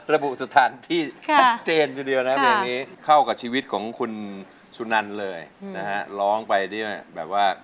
ระบุสถานที่เจนอยู่เดียวนะครับ